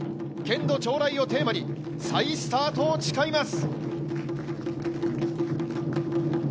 捲土重来をテーマに、再スタートを誓います。